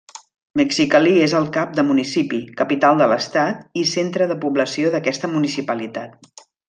Mexicali és el cap de municipi, capital de l'estat i centre de població d'aquesta municipalitat.